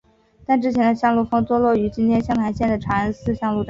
但之前的香炉峰坐落于今天湘潭县的茶恩寺香炉寨。